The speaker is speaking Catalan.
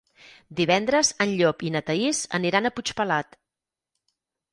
Divendres en Llop i na Thaís aniran a Puigpelat.